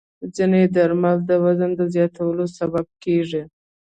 ځینې درمل د وزن د زیاتوالي سبب کېږي.